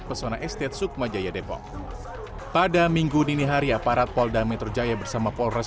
pesona estate sukma jaya depok pada minggu dini hari aparat polda metro jaya bersama polres